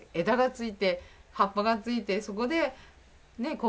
枝がついて葉っぱがついてそこでね